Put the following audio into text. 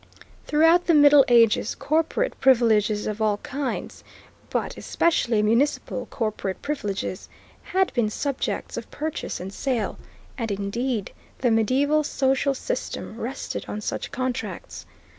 Throughout the Middle Ages corporate privileges of all kinds, but especially municipal corporate privileges, had been subjects of purchase and sale, and indeed the mediaeval social system rested on such contracts.